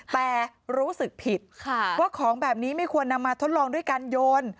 แต่รู้สึกผิดว่าของแบบนี้ไม่ควรนำมาทดลองด้วยการโยน